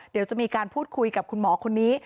เดี๋ยวจะมีการพูดคุยกับคุณหมอคนนี้